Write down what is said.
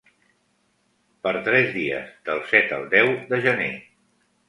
Per tres dies, del set al deu de Gener.